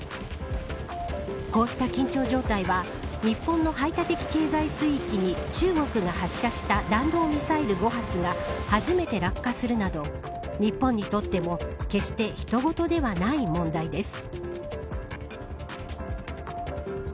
こうした緊張状態は日本の排他的経済水域に中国が発射した弾道ミサイル５発が初めて落下するなど日本にとっても決して人ごとではない問題です。